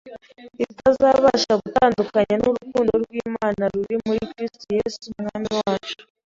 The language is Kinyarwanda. bitazabasha kudutandukanya n’urukundo rw’Imana ruri muri Kristo Yesu Umwami wacu